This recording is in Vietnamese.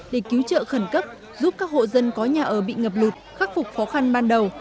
để cứu trợ khẩn cấp giúp các hộ dân có nhà ở bị ngập lụt khắc phục khó khăn ban đầu